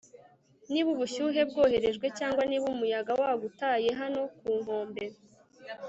niba ubushyuhe bwoherejwe, cyangwa niba umuyaga wagutaye hano ku nkombe